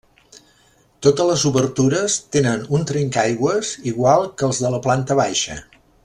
Totes les obertures tenen un trencaaigües igual que els de la planta baixa.